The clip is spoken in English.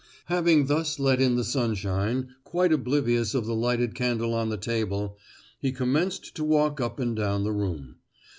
Having thus let in the sunshine, quite oblivious of the lighted candle on the table, he commenced to walk up and down the room.